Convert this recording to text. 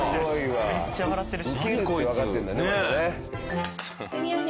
めっちゃ笑ってるし。